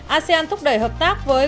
asean thúc đẩy hợp tác với